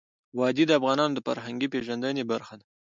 وادي د افغانانو د فرهنګي پیژندنې برخه ده.